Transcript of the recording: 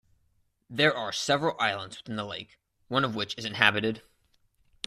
There are several islands within the lake, one of which is inhabited.